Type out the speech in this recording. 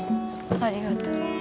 ありがとう。